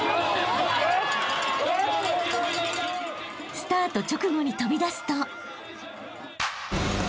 ［スタート直後に飛び出すと］